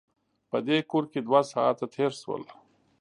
په دې کور کې دوه ساعته تېر شول.